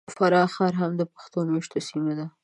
د فراه ښار هم پښتون مېشته سیمه ده .